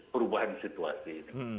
perubahan situasi ini